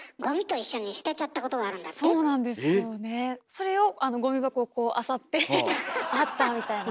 それをゴミ箱をこうあさって「あった」みたいな。